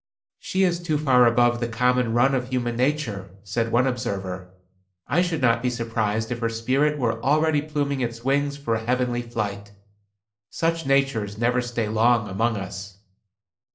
"She is too far above the common run of human nature," said one observer. "I should not be surprised if her spirit were already pluming its wings for a heavenly flight. Such natures never stay long among us."